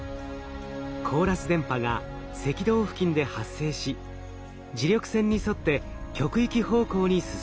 コーラス電波が赤道付近で発生し磁力線に沿って極域方向に進みます。